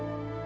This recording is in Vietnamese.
mức cao cổ